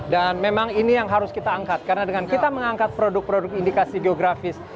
dan memang ini yang harus kita angkat karena dengan kita mengangkat produk produk indikasi geografis